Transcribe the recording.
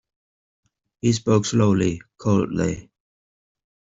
He spoke slowly, coldly.